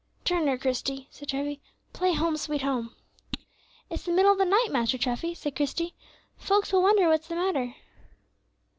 "Turn her, Christie," said Treffy, "play 'Home, sweet Home.'" "It's the middle of the night, Master Treffy," said Christie; "folks will wonder what's the matter."